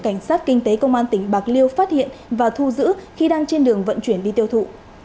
cảnh sát kinh tế công an tỉnh bạc liêu phát hiện và thu giữ khi đang trên đường vận chuyển đi tiêu thụ